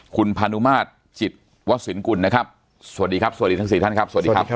คุณพานุมาตรจิตวัศนกุลนะครับสวัสดีครับสวัสดีทั้ง๔ท่านครับ